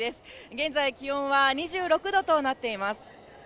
現在気温は２６度となっています。